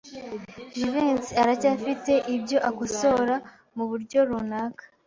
Jivency aracyafite ibyo akosora muburyo runaka.